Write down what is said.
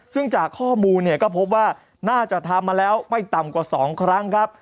ซึ่งจากข้อมูลเนี่ยก็พบว่าน่าจะทำมาแล้วไม่ต่ำกว่า๒ครั้งครับ